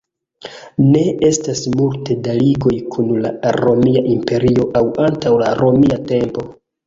Ne estas multe da ligoj kun la Romia Imperio aŭ antaŭ la romia tempo.